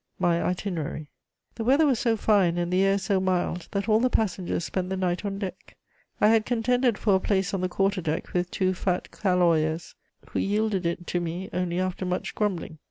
MY ITINERARY. "The weather was so fine and the air so mild that all the passengers spent the night on deck. I had contended for a place on the quarter deck with two fat caloyers, who yielded it to me only after much grumbling.